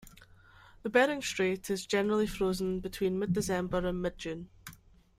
The Bering Strait is generally frozen between mid-December and mid-June.